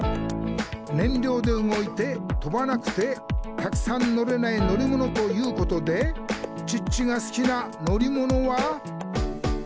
燃料で動いて飛ばなくてたくさん乗れない乗り物ということでチッチが好きな乗り物は。